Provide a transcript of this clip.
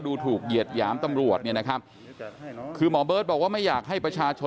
ดูถูกเหยียดหยามตำรวจเนี่ยนะครับคือหมอเบิร์ตบอกว่าไม่อยากให้ประชาชน